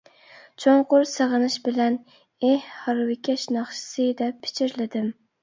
چوڭقۇر سېغىنىش بىلەن:-ئېھ ھارۋىكەش ناخشىسى-دەپ پىچىرلىدىم.